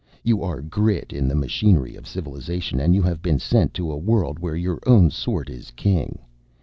You are grit in the machinery of civilization, and you have been sent to a world where your own sort is king.